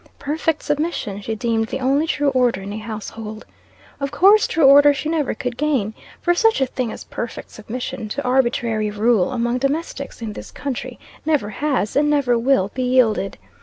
Perfect submission she deemed the only true order in a household. Of course, true order she never could gain, for such a thing as perfect submission to arbitrary rule among domestics in this country never has and never will be yielded.